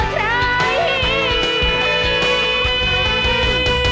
รักคุณเสียยิ่งกว่าใคร